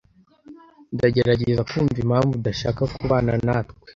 Ndagerageza kumva impamvu udashaka kubana natwe.